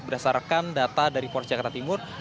berdasarkan data dari polres jakarta timur